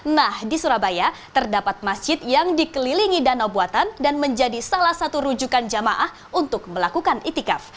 nah di surabaya terdapat masjid yang dikelilingi danau buatan dan menjadi salah satu rujukan jamaah untuk melakukan itikaf